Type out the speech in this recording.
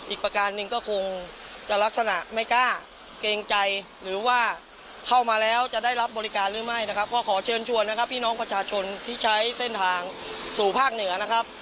อีกประการหนึ่งก็คงจะลักษณะไม่กล้าเกรงใจหรือว่าเข้ามาแล้วจะได้รับบริการหรือไม่นะครับก็ขอเชิญชวนนะครับพี่น้องประชาชนที่ใช้เส้นทางสู่ภาคเหนือนะครับ